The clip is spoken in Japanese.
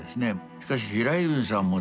しかし平泉さんもですね